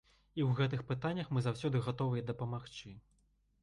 І ў гэтых пытаннях мы заўсёды гатовыя дапамагчы.